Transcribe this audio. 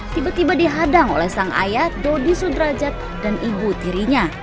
tiba tiba dihadang oleh sang ayah dodi sudrajat dan ibu tirinya